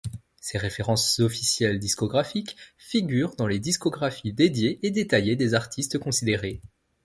Ces références officielles discographiques figurent dans les discographies dédiées et détaillées des artistes considérés.